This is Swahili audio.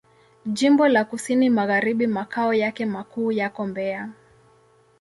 Jimbo la Kusini Magharibi Makao yake makuu yako Mbeya.